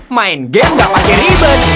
main game gak pake ribet